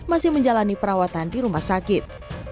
masih menjalani perawatan di rumah sakit